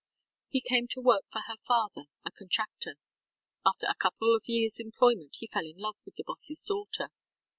He came to work for her father, a contractor. After a couple of yearsŌĆÖ employment he fell in love with the bossŌĆÖs daughter.